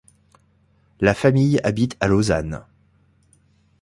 La famille habite à Lausanne.